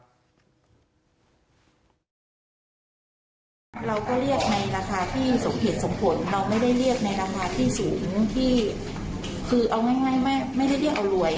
เราก็เรียกในราคาที่เหตุสมผลเราไม่ได้เรียกในราคาที่สูงที่